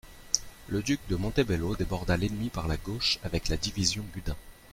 Le duc de Montebello déborda l'ennemi par la gauche avec la division Gudin.